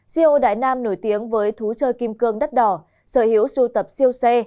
ceo đại nam nổi tiếng với thú sơ kim cương đắt đỏ sở hữu sưu tập siêu xe